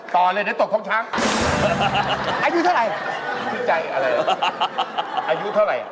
พี่ครับ